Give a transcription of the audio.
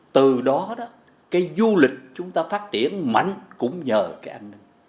từ đó đó cái du lịch chúng ta phát triển mạnh cũng nhờ cái an ninh